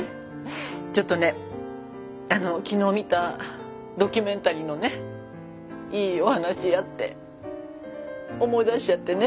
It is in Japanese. ちょっとね昨日見たドキュメンタリーのねいいお話あって思い出しちゃってね。